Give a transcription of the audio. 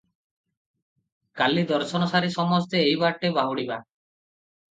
କାଲି ଦର୍ଶନସାରି ସମସ୍ତେ ଏହିବାଟେ ବାହୁଡ଼ିବା ।